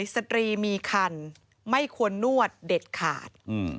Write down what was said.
สตรีมีคันไม่ควรนวดเด็ดขาด